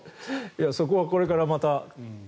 そこはこれからまた。